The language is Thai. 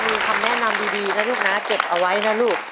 มีคำแนะนำดีนะลูกนะเก็บเอาไว้นะลูก